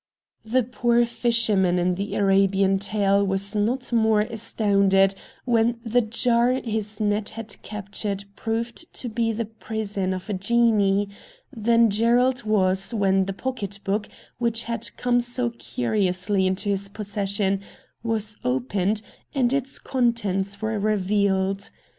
The poor fisherman in the Arabian tale was not more astounded when the jar his net had captured proved to be the prison of a genie, than Gerald was when the pocket book which had come so curiously into his possession was opened and its contents were revealed.